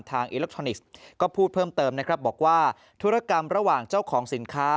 อิเล็กทรอนิกส์ก็พูดเพิ่มเติมนะครับบอกว่าธุรกรรมระหว่างเจ้าของสินค้า